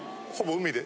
海で？